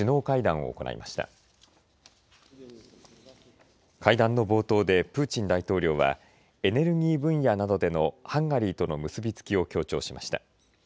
会談の冒頭でプーチン大統領はエネルギー分野などでのハンガリーとの結び付きを強調しました。